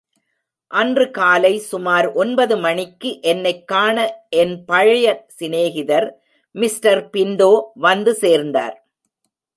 அன்று காலை சுமார் ஒன்பது மணிக்கு என்னைக் காண என் பழைய சிநேகிதர் மிஸ்டர் பின்டோ வந்து சேர்ந்தார்.